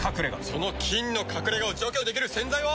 その菌の隠れ家を除去できる洗剤は。